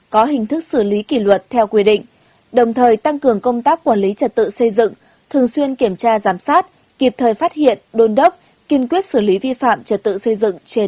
có hình thức xử lý kỷ luật theo quy định đồng thời tăng cường công tác quản lý trật tự xây dựng thường xuyên kiểm tra giám sát kịp thời phát hiện đôn đốc kiên quyết xử lý vi phạm trật tự xây dựng trên địa bàn